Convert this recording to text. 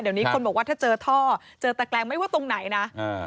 เดี๋ยวนี้คนบอกว่าถ้าเจอท่อเจอตะแกรงไม่ว่าตรงไหนนะอ่า